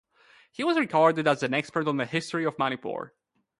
He was regarded as an expert on the history of Manipur.